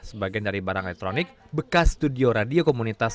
sebagian dari barang elektronik bekas studio radio komunitas